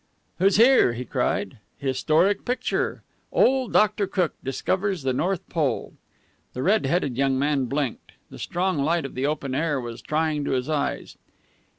"Who's here?" he cried. "Historic picture. 'Old Dr. Cook discovers the North Pole.'" The red headed young man blinked. The strong light of the open air was trying to his eyes.